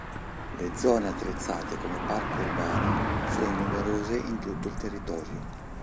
Le zone attrezzate come parco urbano sono numerose in tutto il territorio.